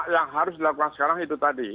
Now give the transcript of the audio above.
yang harus dilakukan sekarang itu tadi